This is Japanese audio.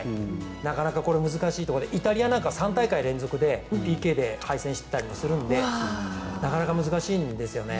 なかなかこれ、難しいところでイタリアなんか３大会連続でＰＫで敗戦してたりもするのでなかなか難しいんですよね。